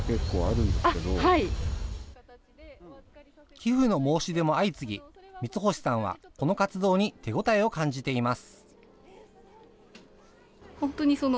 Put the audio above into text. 寄付の申し出も相次ぎ、三星さんはこの活動に手応えを感じています。